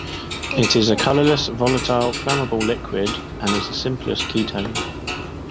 It is a colorless, volatile, flammable liquid, and is the simplest ketone.